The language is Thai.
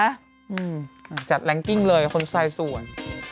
อืมจัดแรงกิ้งเลยคนสายส่วน